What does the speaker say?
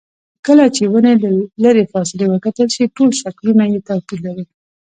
کله چې ونې له لرې فاصلې وکتل شي ټول شکلونه یې توپیر لري.